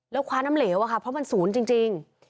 แล้วความน้ำเหลวเพราะมันศูนย์จริง